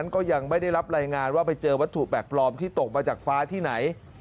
ก็ยังไม่ได้รับรายงานว่าไปเจอวัตถุแปลกปลอมที่ตกมาจากฟ้าที่ไหน